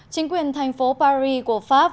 chính quyền thành phố paris của pháp